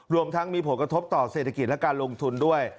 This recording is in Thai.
รวมทั้งมีผลกระทบต่อเศรษฐกิจและการลงทุนด้วย